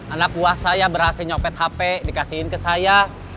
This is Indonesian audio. anak buah saya berhasil nyopet hp dikasihin ke saya